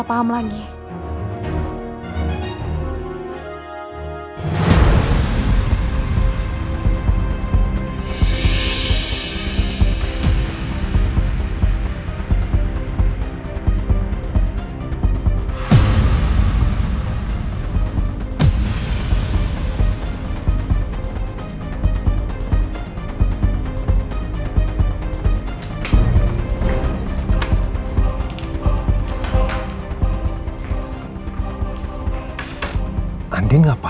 aku pengen nelet sekalian dealinganda